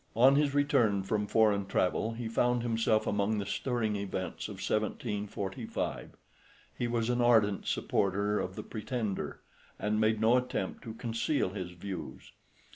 On his return from foreign travel he found himself among the stirring events of 1745. He was an ardent supporter of the Pretender, and made no attempt to conceal his views.